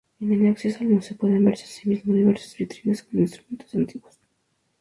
En el acceso al Museo pueden verse asimismo diversas vitrinas con instrumentos antiguos.